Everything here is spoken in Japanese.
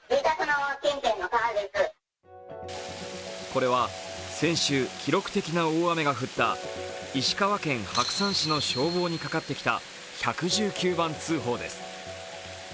これは先週、記録的な大雨が降った石川県白山市の消防にかかってきた１１９番通報です。